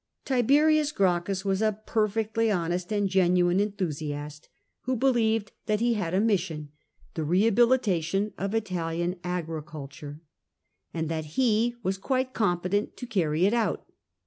Tiberms Gracchus wa^ ^pe£fectly honest and .genuine en thusiast, w ho^ befieved_ that he had a mission — ^the r^abilitation of Italian agricu Iture— and tlmt_ he _ was ^^e7cQmpetent „to carry it out.